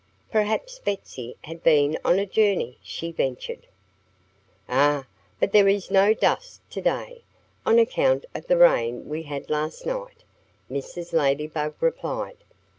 "Perhaps Betsy had been on a journey," she ventured. "Ah! But there is no dust to day, on account of the rain we had last night," Mrs. Ladybug replied.